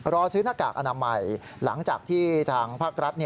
รอซื้อหน้ากากอนามัยหลังจากที่ทางภาครัฐ